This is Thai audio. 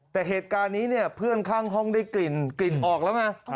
แต่เหตุการณ์นี้เนี่ยเพื่อนข้างห้องได้กลิ่นกลิ่นออกแล้วไง